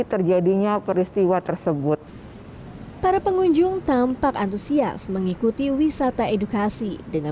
terjadinya peristiwa tersebut para pengunjung tampak antusias mengikuti wisata edukasi dengan